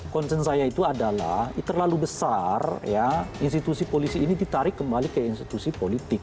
concern saya itu adalah terlalu besar ya institusi polisi ini ditarik kembali ke institusi politik